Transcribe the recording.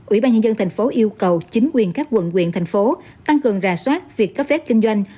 ủy ban nhân dân tp hcm yêu cầu chính quyền các quận quyền thành phố tăng cường rà soát việc cấp phép kinh doanh